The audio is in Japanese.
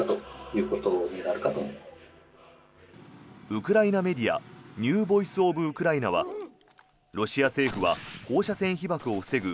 ウクライナメディアニュー・ボイス・オブ・ウクライナはロシア政府は放射線被ばくを防ぐ